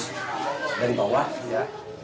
pada yang bawah ya